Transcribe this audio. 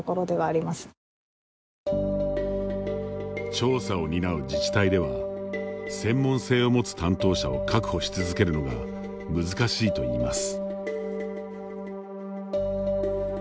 調査を担う自治体では専門性を持つ担当者を確保し続けるのが難しいといいます。